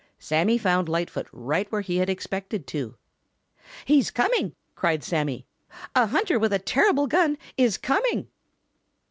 Sammy found Lightfoot right where he had expected to. "He's coming!" cried Sammy. "A hunter with a terrible gun is coming!"